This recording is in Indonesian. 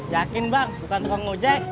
yakin bang bukan tukang ojek